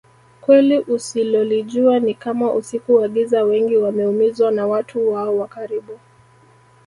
Kweli usilolijua Ni Kama usiku wa Giza wengi wameumizwa na watu wao wa karibu